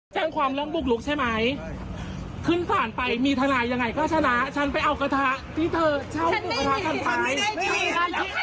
ลูกน้องเธอกินลูกน้องเธอกินฉันก็เลยไปถามไทย